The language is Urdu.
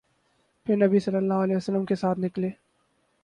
پھر نبی صلی اللہ علیہ وسلم ان کے ساتھ نکلے